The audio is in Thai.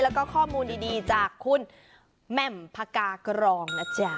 แล้วก็ข้อมูลดีจากคุณแม่มพกากรองนะจ๊ะ